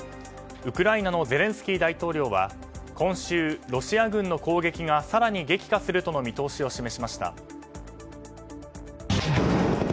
ウクライナのゼレンスキー大統領は今週、ロシア軍の攻撃が更に激化するとの見通しを示しました。